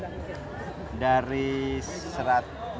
boleh beri sebutin